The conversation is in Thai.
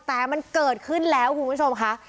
แต่มันเกิดขึ้นแล้วคุณผู้ชมค่ะ